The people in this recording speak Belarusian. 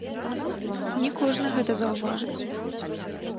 Не кожны гэта заўважыць.